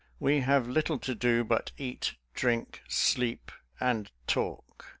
We have little to do but eat, drink, sleep, and talk.